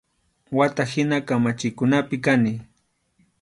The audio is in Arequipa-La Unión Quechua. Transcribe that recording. Wata hina kamachinkunapi kani.